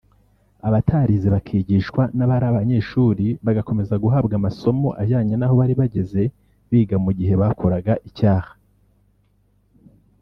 abatarize bakigishwa n’abari abanyeshuri bagakomeza guhabwa amasomo ajyanye naho bari bageze biga mu gihe bakoraga icyaha